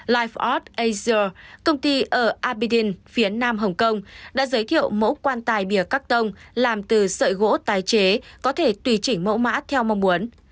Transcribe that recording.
life art asia công ty ở abidin phía nam hồng kông đã giới thiệu mẫu quan tài bia cắt đông làm từ sợi gỗ tái chế có thể tùy chỉnh mẫu mã theo mong muốn